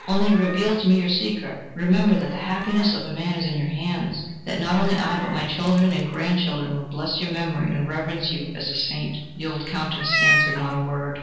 Only reveal to me your secret. Remember that the happiness of a man is in your hands, that not only I, but my children, and grandchildren will bless your memory and reverence you as a saint..." The old Countess answered not a word.